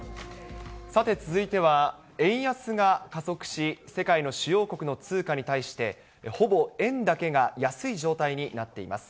さて続いては、円安が加速し、世界の主要国の通貨に対して、ほぼ円だけが安い状態になっています。